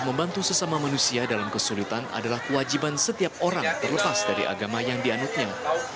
membantu sesama manusia dalam kesulitan adalah kewajiban setiap orang terlepas dari agama yang dianutnya